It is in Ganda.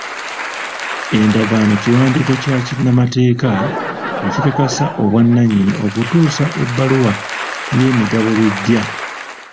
Endagaano kiwandiiko kya kinnamateeka ekikakasa obwa nannyini okutuusa ebbaluwa y'emigabo lw'ejja.